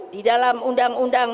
di dalam undang undang